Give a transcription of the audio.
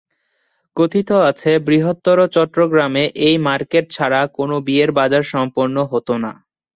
কথিত আছে বৃহত্তর চট্টগ্রামে এই মার্কেট ছাড়া কোন বিয়ের বাজার সম্পন্ন হতো না।